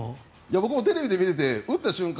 僕もテレビで見ていて打った瞬間